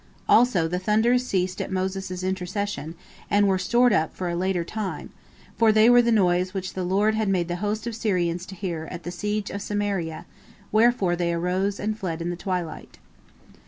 Also the thunders ceased at Moses' intercession, and were stored up for a later time, for they were the noise which the Lord made the host of the Syrians to hear at the siege of Samaria, wherefore they arose and fled in the twilight.